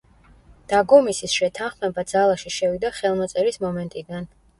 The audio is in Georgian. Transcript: დაგომისის შეთანხმება ძალაში შევიდა ხელმოწერის მომენტიდან.